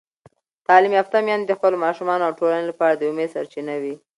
تعلیم یافته میندې د خپلو ماشومانو او ټولنې لپاره د امید سرچینه وي.